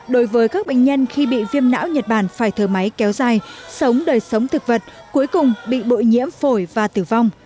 đối với các bệnh nhân khi bị viêm não nhật bản phải thở máy kéo dài sống đời sống thực vật cuối cùng bị bội nhiễm phổi và tử vong